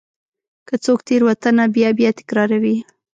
که څوک تېروتنه بیا بیا تکراروي.